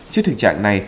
trước thực trạng này